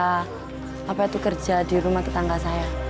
saya bekerja di rumah tetangga saya